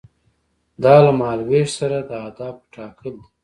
دا له مهال ویش سره د اهدافو ټاکل دي.